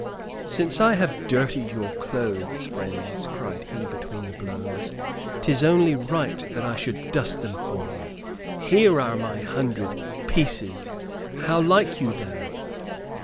"Since I have dirtied your clothes, friends," cried he, between the blows, "'tis only right that I should dust them for you! Here are my hundred 'pieces'; how like you them?"